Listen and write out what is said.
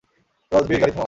রাজবীর, গাড়ি থামাও!